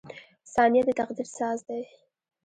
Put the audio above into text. • ثانیه د تقدیر ساز دی.